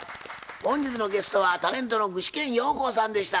本日のゲストはタレントの具志堅用高さんでした。